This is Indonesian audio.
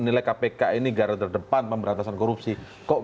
nah kalau itu saya tidak tahu pak